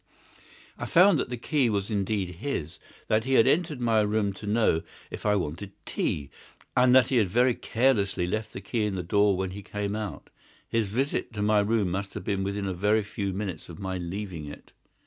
I found that the key was indeed his, that he had entered my room to know if I wanted tea, and that he had very carelessly left the key in the door when he came out. His visit to my room must have been within a very few minutes of my leaving it.